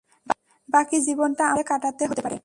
বাকি জীবনটা আমাকে জেলে কাটাতে হতে পারে।